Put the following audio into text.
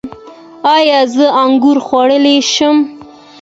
ایا زه انګور خوړلی شم؟